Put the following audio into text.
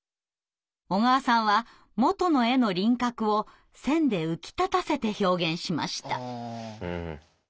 小川さんは元の絵の輪郭を線で浮き立たせて表現しました。